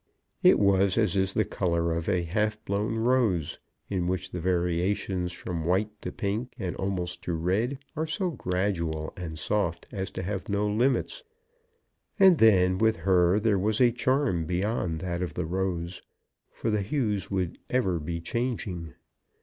It was as is the colour of a half blown rose, in which the variations from white to pink, and almost to red, are so gradual and soft as to have no limits. And then with her there was a charm beyond that of the rose, for the hues would ever be changing.